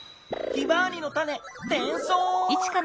ヒマワリのタネてんそう。